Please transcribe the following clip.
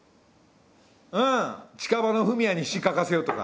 うん近場のフミヤに詞書かせようとか。